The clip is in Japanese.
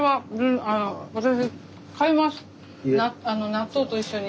納豆と一緒に。